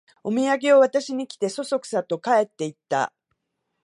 おみやげを渡しに来て、そそくさと帰っていった